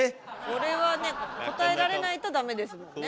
これはね答えられないとダメですもんね。